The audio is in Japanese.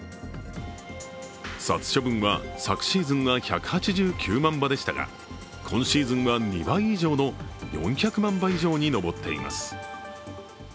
殺処分は昨シーズンは１８９万羽でしたが、今シーズンは２倍以上の４００万羽以上に上っています。